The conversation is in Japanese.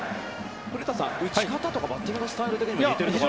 古田さん、打ち方とかバッティングのスタイルは似てるんですか？